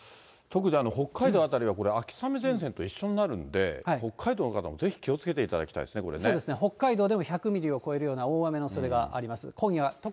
特に北海道辺りはこれ、秋雨前線と一緒になるんで、北海道の方もぜひ気をつけていただきたいですね、そうですね、北海道でも１００ミリを超えるような大雨のおそれがあります。